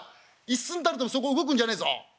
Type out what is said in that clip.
一寸たりともそこ動くんじゃねえぞ。